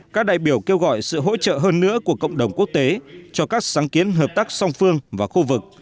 các đại biểu kêu gọi sự hỗ trợ hơn nữa của cộng đồng quốc tế cho các sáng kiến hợp tác song phương và khu vực